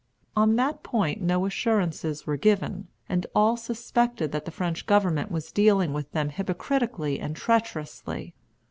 On that point no assurances were given, and all suspected that the French government was dealing with them hypocritically and treacherously.